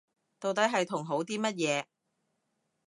到底係同好啲乜嘢